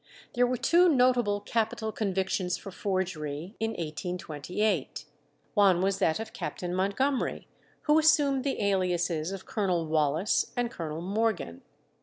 There were two notable capital convictions for forgery in 1828. One was that of Captain Montgomery, who assumed the aliases of Colonel Wallace and Colonel Morgan.